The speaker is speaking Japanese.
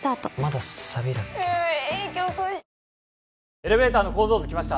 エレベーターの構造図きました